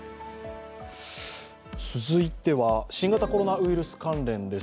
続いては新型コロナウイルス関連です。